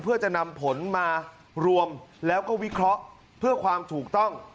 เพื่อจะนำผลมารวมแล้วก็วิเคราะห์เพื่อความถูกต้อง